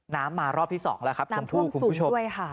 น้ำมารอบที่๒แล้วครับชมผู้คุณผู้ชม